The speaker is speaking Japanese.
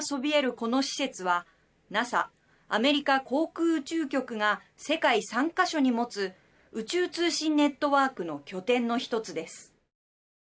この施設はＮＡＳＡ＝アメリカ航空宇宙局が世界３か所に持つ宇宙通信ネットワークの拠点の１つです。